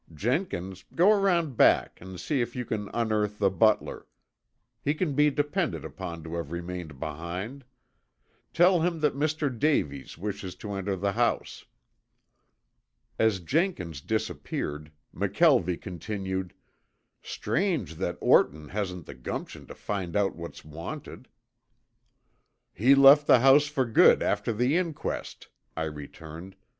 Jenkins, go around back and see if you can unearth the butler. He can be depended upon to have remained behind. Tell him that Mr. Davies wishes to enter the house." As Jenkins disappeared, McKelvie continued: "Strange that Orton hasn't the gumption to find out what's wanted." "He left the house for good after the inquest," I returned.